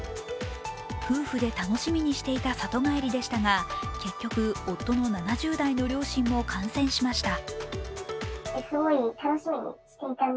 夫婦で楽しみにしていた里帰りでしたが結局、夫の７０代の両親も感染しました。